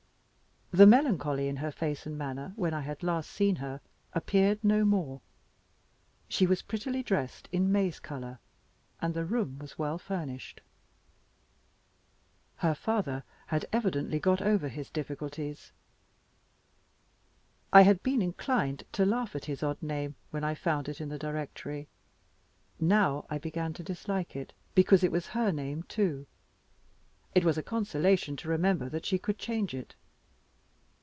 The melancholy in her face and manner, when I had last seen her, appeared no more. She was prettily dressed in maize color, and the room was well furnished. Her father had evidently got over his difficulties. I had been inclined to laugh at his odd name, when I found it in the directory! Now I began to dislike it, because it was her name, too. It was a consolation to remember that she could change it.